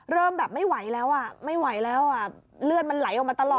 เริ่มแบบไม่ไหวแล้วเลือกมันไหลออกมาตลอด